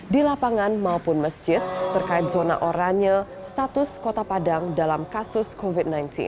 di lapangan maupun masjid terkait zona oranye status kota padang dalam kasus covid sembilan belas